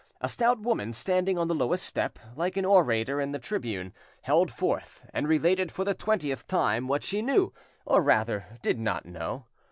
A stout woman, standing on the lowest step, like an orator in the tribune, held forth and related for the twentieth time what she knew, or rather, did not know.